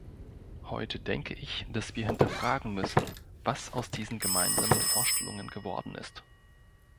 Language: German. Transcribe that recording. Heute denke ich, dass wir hinterfragen müssen, was aus diesen gemeinsamen Vorstellungen geworden ist.